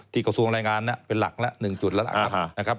กระทรวงรายงานเป็นหลักแล้ว๑จุดแล้วล่ะครับ